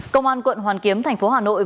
công an quận hoàn kiếm thành phố hà nội